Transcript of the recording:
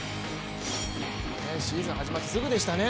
シーズン始まって、すぐでしたね。